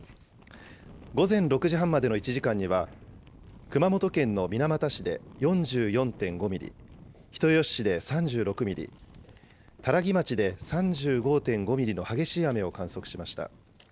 午前６時半までの１時間には、熊本県の水俣市で４４．５ミリ、人吉市で３６ミリ、多良木町で３５．５ミリの激しい雨を観測しました。